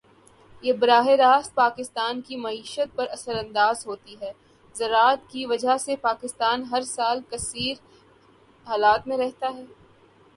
یہ براہِ راست پاکستان کی معیشت پر اثر اندازہوتی ہے۔ زراعت کی وجہ سے پاکستان ہر سال کثیر زرمبادلہ کماتا ہے.